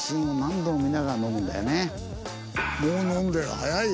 もう飲んでる早いよ。